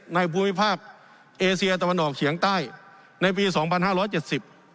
ภูมิภาคเอเชียตะวันออกเฉียงใต้ในปีสองพันห้าร้อยเจ็ดสิบ